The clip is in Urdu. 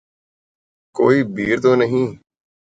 کوئی بیر تو نہیں